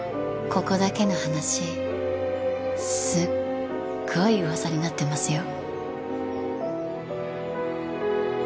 ここだけの話すっごい噂になってますよ。